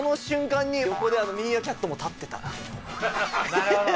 なるほど。